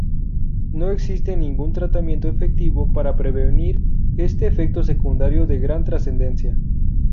No existe ningún tratamiento efectivo para prevenir este efecto secundario de gran trascendencia.